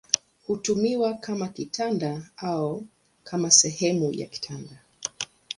Hutumiwa kama kitanda au kama sehemu ya kitanda.